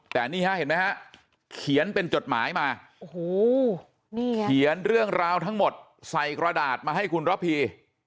แต่นี่เห็นไหมครับเขียนเป็นจดหมายมาเขียนเรื่องราวทั้งหมดใส่กระดาษมาให้คุณระพี